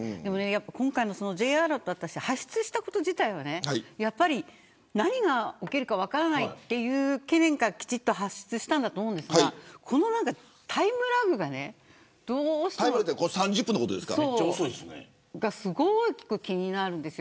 今回、Ｊアラートを発出したこと自体は何が起きるか分からないという懸念からきちんと発出したんだと思いますがこのタイムラグがすごく気になるんです。